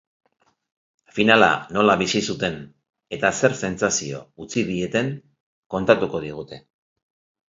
Finala nola bizi zuten eta zer sentsazio utzi dieten kontatuko digute.